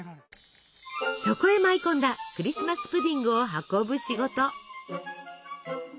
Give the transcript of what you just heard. そこへ舞い込んだクリスマス・プディングを運ぶ仕事。